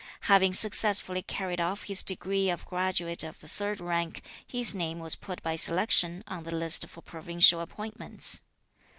Having successfully carried off his degree of graduate of the third rank, his name was put by selection on the list for provincial appointments.